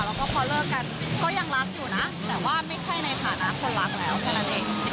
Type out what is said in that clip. แล้วก็พอเลิกกันก็ยังรักอยู่นะแต่ว่าไม่ใช่ในฐานะคนรักแล้วแค่นั้นเอง